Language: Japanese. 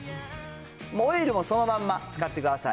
オイルもそのまんま使ってください。